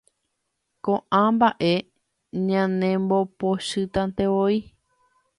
Ko'ã mba'e ñanembopochytantevoi.